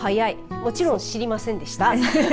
もちろん知りませんでした。